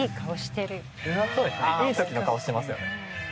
いい時の顔してますよね。